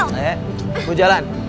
oke mau jalan